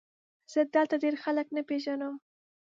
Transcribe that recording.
زه دلته ډېر خلک نه پېژنم ؟